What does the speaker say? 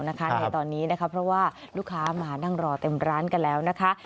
ในตอนนี้นะคะเพราะว่าลูกค้ามานั่งรอเต็มร้านกันแล้วนะคะ